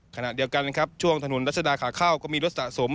ขณะเดียวกันนะครับช่วงถนนรัชดาขาเข้าก็มีรถสะสม